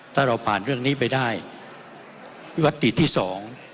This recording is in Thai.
ถ้าเราผ่านเรื่องนี้ไปได้ยัตติที่สอง